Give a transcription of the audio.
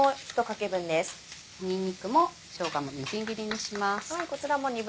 にんにくもしょうがもみじん切りにします。